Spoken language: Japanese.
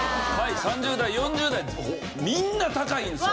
３０代４０代みんな高いんですよ。